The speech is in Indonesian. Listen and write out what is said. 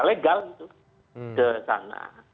legal gitu kesana